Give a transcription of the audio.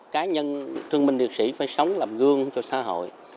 cá nhân thương binh điệp sĩ phải sống làm gương cho xã hội